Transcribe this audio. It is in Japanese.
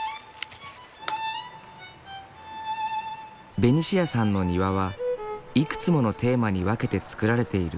ベニシアさんの庭はいくつものテーマに分けて造られている。